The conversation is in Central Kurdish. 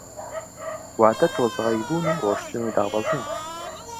واتە تۆزاوی بوون و ڕۆیشتن و دابەزین